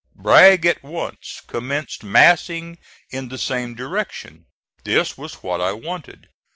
Bragg at once commenced massing in the same direction. This was what I wanted.